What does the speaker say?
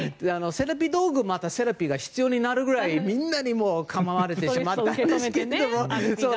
セラピードッグがセラピーが必要になるぐらいみんなにかまわれてしまってますけど。